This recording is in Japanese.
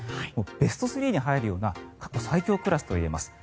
ベスト３に入るような過去最強クラスといえます。